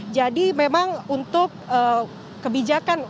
jadi memang untuk kebijakan